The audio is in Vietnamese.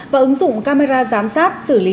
và ứng dụng camera giám sát xử lý